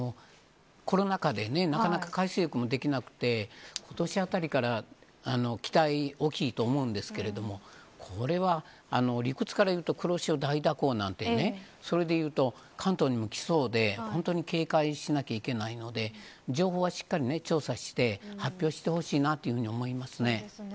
コロナ禍でねなかなか海水浴もできなくて今年あたりから期待大きいと思うんですがこれは、理屈からいうと黒潮大蛇行なんてねそれでいうと、関東にもきそうで本当に警戒しなきゃいけないので情報はしっかり調査して発表してほしいなというふうに思いますね。